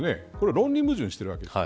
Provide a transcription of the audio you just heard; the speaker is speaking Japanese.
これは論理矛盾してるわけです。